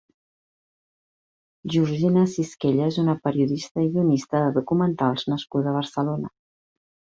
Georgina Cisquella és una periodista i guionista de documentals nascuda a Barcelona.